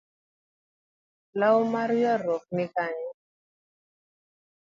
Law mar yueruok ni Kanye?